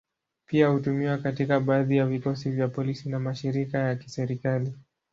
Pia hutumiwa katika baadhi ya vikosi vya polisi na mashirika ya kiserikali.